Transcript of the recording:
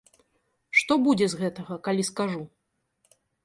Што будзе з гэтага, калі скажу?